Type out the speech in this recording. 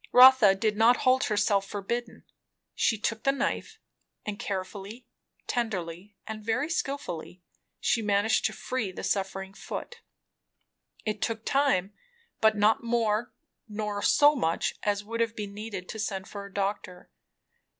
Rotha did not hold herself forbidden. She took the knife, and carefully, tenderly, and very skilfully, she managed to free the suffering foot. It took time, but not more, nor so much, as would have been needed to send for a doctor.